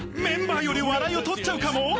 メンバーより笑いを取っちゃうかも？